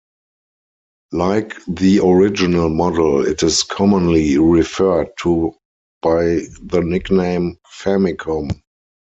Like the original model, it is commonly referred to by the nickname "Famicom".